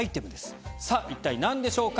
さぁ一体何でしょうか？